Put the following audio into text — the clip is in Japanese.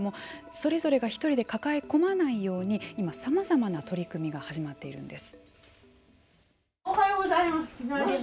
それぞれが１人で抱え込まないように今、さまざまな取り組みが始まっているんです。